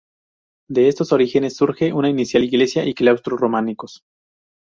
De estos orígenes surge una inicial iglesia y claustro románicos.